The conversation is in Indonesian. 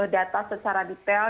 data secara detail